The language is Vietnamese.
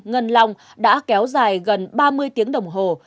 ngân long đã kéo dài gần ba mươi tiếng đồng hồ